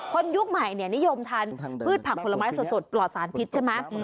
ยุคใหม่นิยมทานพืชผักผลไม้สดปลอดสารพิษใช่ไหม